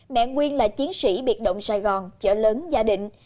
mẹ nguyên là chiến sĩ biệt động sài gòn chợ lớn gia đình